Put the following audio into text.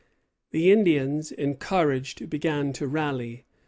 The Indians, encouraged, began to rally.